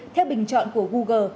theo bình chọn của google